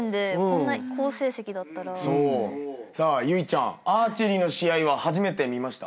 さあ有以ちゃんアーチェリーの試合は初めて見ました？